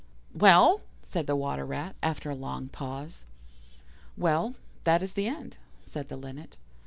'" "Well?" said the Water rat, after a long pause. "Well, that is the end," said the Linnet.